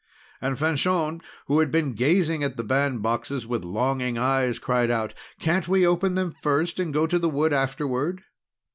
And Fanchon, who had been gazing at the bandboxes with longing eyes, cried out: "Can't we open them first, and go to the wood afterward?"